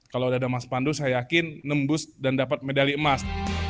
kalau ada mas pandu saya yakin nembus dan dapat medali emas